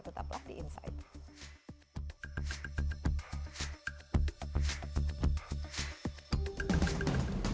tetaplah di insight